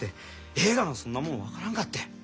ええがなそんなもん分からんかって。